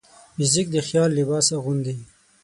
موزیک د خیال لباس اغوندي.